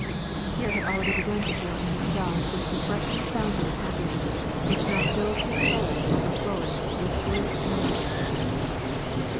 " Pierre had already begun to feel in himself this refreshing fountain of happiness which now filled his soul to overflowing with bliss and emotion.